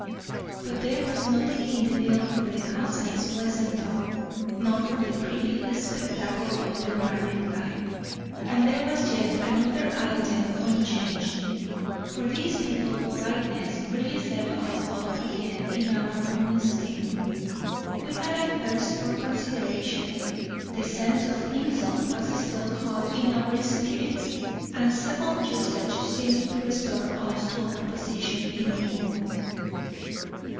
But there was nothing in the bill for the husband's pleasant talk; nor for the pretty spectacle of their married life. And there was yet another item unchanged. For these people's politeness really set us up again in our own esteem. We had a thirst for consideration; the sense of insult was still hot in our spirits; and civil usage seemed to restore us to our position in the world.